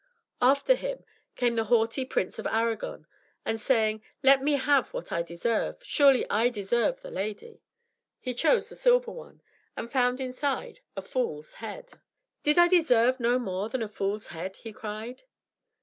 After him came the haughty Prince of Arragon, and saying, "Let me have what I deserve surely I deserve the lady," he chose the silver one, and found inside a fool's head. "Did I deserve no more than a fool's head?" he cried.